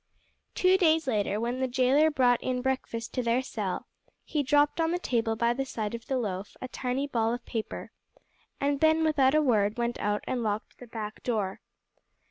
Two days later when the jailer brought in breakfast to their cell he dropped on the table by the side of the loaf a tiny ball of paper, and then without a word went out and locked the back door.